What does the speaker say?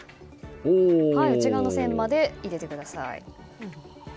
内側の線まで入れてください。